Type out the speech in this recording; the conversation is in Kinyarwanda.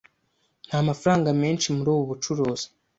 Nta mafaranga menshi muri ubu bucuruzi.